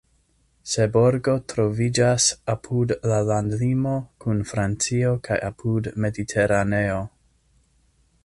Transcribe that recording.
Seborgo troviĝas apud la landlimo kun Francio kaj apud Mediteraneo.